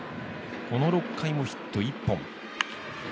この６回もヒット１本。